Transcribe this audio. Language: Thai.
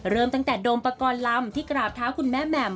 เริ่มตั้งแต่โดมปกรณ์ลำที่กราบเท้าคุณแม่แหม่ม